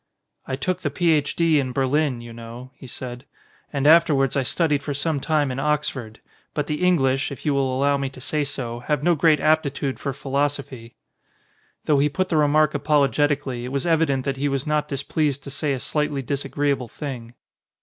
"I took the Ph. D. in Berlin, you know," he said. "And afterwards I studied for some time in Oxford. But the English, if you will allow me to say so, have no great aptitude for philosophy." Though he put the remark apologetically it was evident that he was not displeased to say a slightly disagreeable thing.